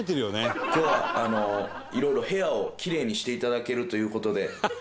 今日は、いろいろ、部屋をキレイにしていただけるという事で。